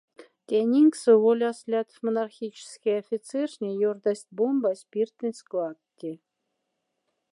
Тянь инкса воляс лятф монархическяй офицерхне ёрдасть бомба спиртонь складти.